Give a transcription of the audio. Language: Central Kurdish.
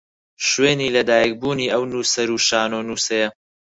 شوێنی لە دایکبوونی ئەو نووسەر و شانۆنووسەیە